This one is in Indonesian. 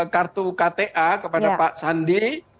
kartu kta kepada pak sandi